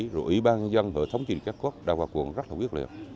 rồi ủy ban nhân dân hội thống truyền các quốc đã vào cuộc rất là quyết liệu